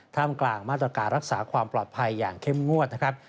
กลางมาตรการรักษาความปลอดภัยอย่างเข้มงวดนะครับ